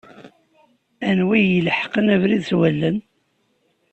Anwa i ileḥqen abrid s wallen?